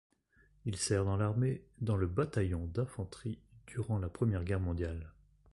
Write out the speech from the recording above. Il sert dans l'Armée dans le Bataillon d'Infanterie durant la première Guerre Mondiale.